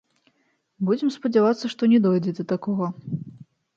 Будзем спадзявацца, што не дойдзе да такога.